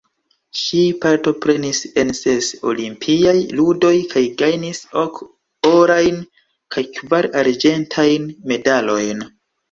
Ŝi partoprenis en ses Olimpiaj Ludoj kaj gajnis ok orajn kaj kvar arĝentajn medalojn.